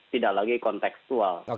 tidak lagi konteksual